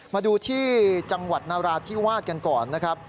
มาดูที่จังหวัดนราธิวาสกันก่อนนะครับ